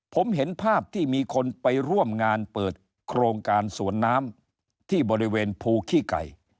ผมเห็นภาพที่มีคนไปร่วมงานเปิดโครงการสวนน้ำที่บริเวณภูขี้ไก่